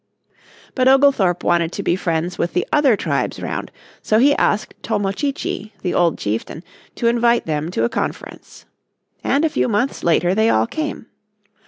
But Oglethorpe wanted to be friends with the other tribes round, so he asked Tomo chi chi, the old chieftain, to invite them to a conference. And a few months later they all came.